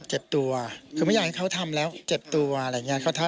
เจ็บตัวคือไม่อยากให้เขาทำแล้วเจ็บตัวอะไรอย่างนี้